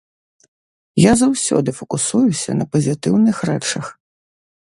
Я заўсёды факусуюся на пазітыўных рэчах.